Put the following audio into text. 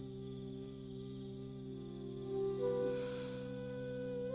aku tidur disana